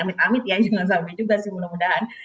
amit amit ya jangan sampai juga sih mudah mudahan